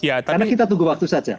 karena kita tunggu waktu saja